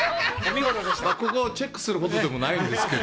チェックするほどでもないんですけど。